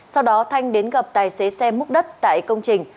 sau đó thanh đến gặp tài xế xe múc đất tại công trình